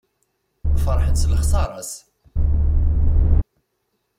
Ferḥen s lexsara-s.